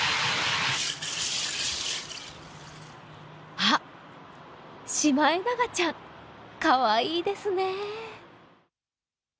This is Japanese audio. あっ、シマエナガちゃんかわいいですね。